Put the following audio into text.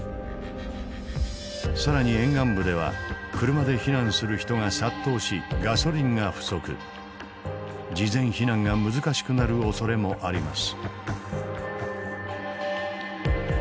更に沿岸部では車で避難する人が殺到し事前避難が難しくなるおそれもあります。